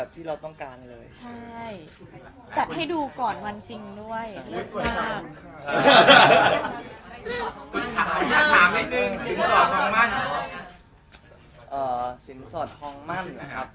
ผมว่าตั้งแต่ประตูของยากกับคิมอะครับ